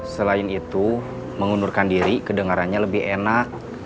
selain itu mengundurkan diri kedengarannya lebih enak